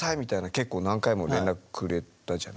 結構何回も連絡くれたじゃない。